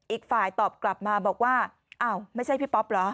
อีกฝ่ายตอบกลับมาบอกว่าอ้าวไม่ใช่พี่ป๊อปเหรอ